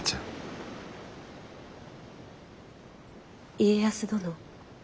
家康殿。